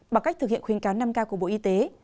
bằng cách thực hiện khuyến cáo năm k của bộ y tế